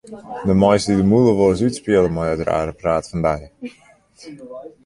Do meist dy de mûle wolris útspiele mei dat rare praat fan dy.